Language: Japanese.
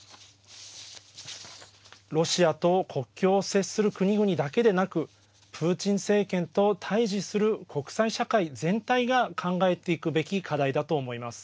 ロシアと国境を接する国々だけでなくプーチン政権と対じする国際社会全体が考えていくべき課題だと思います。